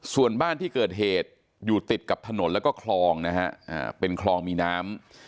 ส่วนบ้านที่เกิดเหตุอยู่ติดกับถนนแล้วก็คลองนะฮะเป็นคลองมีน้ำ